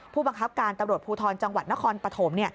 ผู้บังคับการตำรวจภูทรจังหวัดนครปฐม